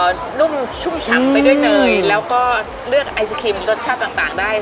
ก็นุ่มชุ่มฉ่ำไปด้วยเนยแล้วก็เลือกไอศครีมรสชาติต่างได้